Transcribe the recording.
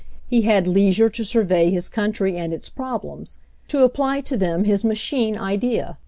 He had leisure to survey his country and its problems, to apply to them his machine idea.